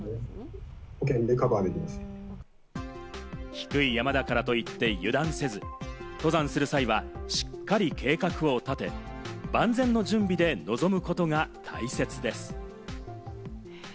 低い山だからといって油断せず、登山する際はしっかり計画を立て、万全の準備で臨むことが大切です。